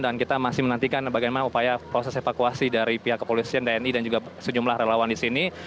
dan kita masih menantikan bagaimana upaya proses evakuasi dari pihak kepolisian dni dan juga sejumlah relawan di sini